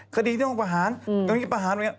คดีนี้ต้องประหารตอนนี้ประหารตรงนี้